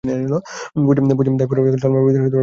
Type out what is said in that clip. পশ্চিম Darfur চলমান Darfur বিরোধের বেশিরভাগ স্থানেই রয়েছে।